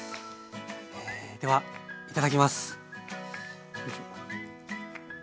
ではいただきます。